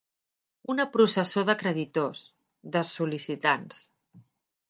Una processó de creditors, de sol·licitants.